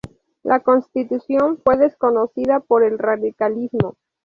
La constitución fue desconocida por el radicalismo.